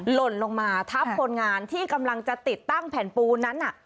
หล่นลงมาทับคนงานที่กำลังจะติดตั้งแผ่นปูนั้น